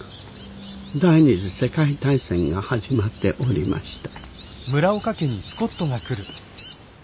第二次世界大戦が始まっておりました。